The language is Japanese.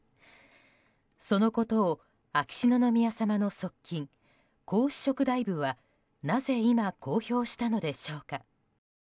そのことを秋篠宮さまの側近皇嗣職大夫はなぜ今、公表したのでしょうか。